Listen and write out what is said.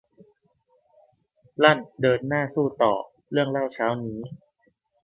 ลั่นเดินหน้าสู้ต่อ เรื่องเล่าเช้านี้